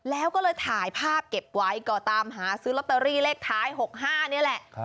แล้วก็เลยถ่ายภาพเก็บไว้ก็ตามหาซื้อลอตเตอรี่เลขท้าย๖๕นี่แหละ